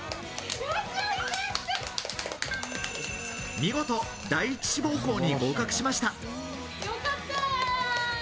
見事、第１志望校に合格しました。